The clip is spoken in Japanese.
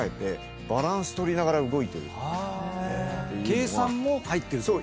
計算も入ってるってこと。